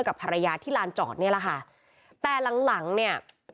กับภรรยาที่ลานจอดเนี่ยแหละค่ะแต่หลังหลังเนี่ย